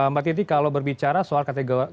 mbak diti kalau berbicara soal